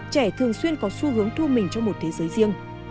trẻ thường xuyên có xu hướng thu mình trong một thế giới riêng